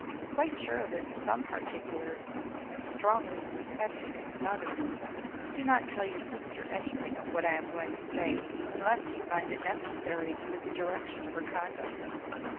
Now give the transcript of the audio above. "Quite sure of it in some particulars, and strongly suspecting it in others. Do not tell your sister anything of what I am going to say, unless you find it necessary for the direction of her conduct.